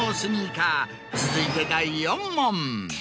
続いて第４問。